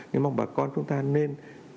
nhưng mong bà con chúng ta nên